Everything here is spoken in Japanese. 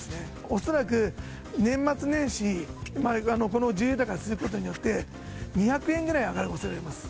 恐らく年末年始まで、この重油高が続くことによって、２００円ぐらい上がるおそれがあります。